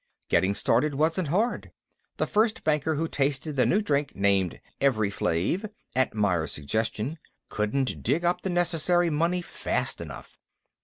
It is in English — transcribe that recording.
Getting started wasn't hard; the first banker who tasted the new drink named Evri Flave, at Myers' suggestion couldn't dig up the necessary money fast enough.